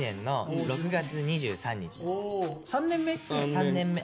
３年目？